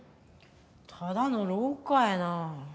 ただの廊下やな。